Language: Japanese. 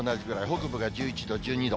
北部が１１度、１２度。